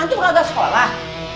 antum gak ada sekolah